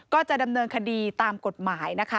ก็จะดำเนินคดีตามกฎหมายนะคะ